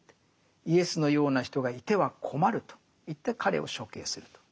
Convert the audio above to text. イエスのような人がいては困るといって彼を処刑すると。